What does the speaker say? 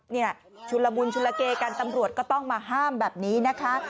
ชุนละมุนชุลเกกันตำรวจก็ต้องมาห้ามแบบนี้นะคะ